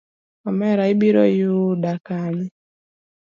Omera ibiro yuda kanye?